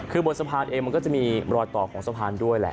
คือบนสะพานเองมันก็จะมีรอยต่อของสะพานด้วยแหละ